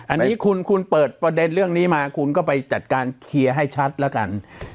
อันนี้คุณคุณเปิดประเด็นเรื่องนี้มาคุณก็ไปจัดการเคลียร์ให้ชัดแล้วกัน